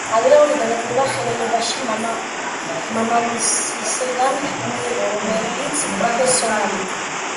ადრეული განათლება ხელოვნებაში მამამისისგან მიიღო, რომელიც პროფესიონალი კონსერვატორი და მხატვარი იყო.